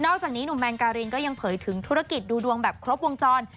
จากนี้หนุ่มแมนการินก็ยังเผยถึงธุรกิจดูดวงแบบครบวงจร